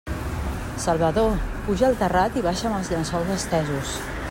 Salvador, puja al terrat i baixa'm els llençols estesos!